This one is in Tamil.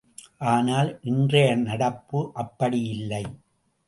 ஆனால் இன்றைய நடப்பு அப்படியில்லை.